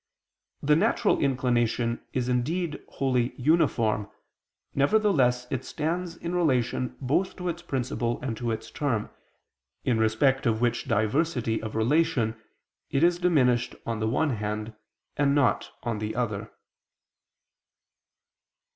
2: The natural inclination is indeed wholly uniform: nevertheless it stands in relation both to its principle and to its term, in respect of which diversity of relation, it is diminished on the one hand, and not on the other.